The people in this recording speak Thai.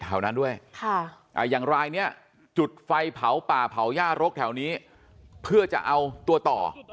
แถวนั้นด้วยอย่างรายนี้จุดไฟเผาป่าเผาย่ารกแถวนี้เพื่อจะเอาตัวต่อ